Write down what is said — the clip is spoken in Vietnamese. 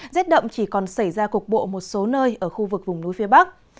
rét đậm chỉ còn xảy ra cục bộ một số nơi ở khu vực vùng núi phía bắc